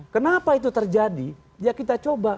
kenapa itu terjadi ya kita coba